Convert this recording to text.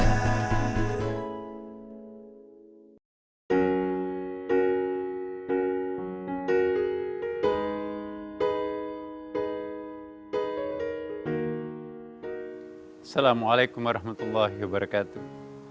assalamualaikum warahmatullahi wabarakatuh